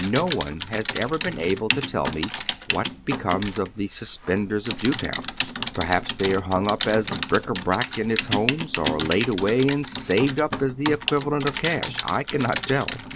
No one has ever been able to tell me what becomes of the suspenders of Jewtown. Perhaps they are hung up as bric ^ brac in its homes, or laid away and saved up as the equivalent of cash. I can not tell.